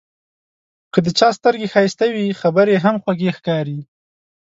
که د چا سترګې ښایسته وي، خبرې یې هم خوږې ښکاري.